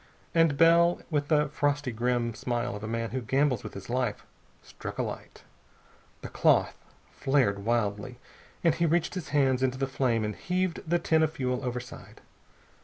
And Bell, with the frosty grim smile of a man who gambles with his life, struck a light. The cloth flared wildly, and he reached his hands into the flame and heaved the tin of fuel overside.